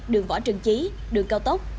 đường võ trần chí đường cao tốc